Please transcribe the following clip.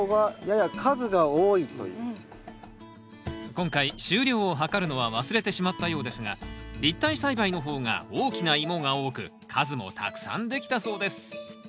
今回収量を量るのは忘れてしまったようですが立体栽培の方が大きなイモが多く数もたくさんできたそうです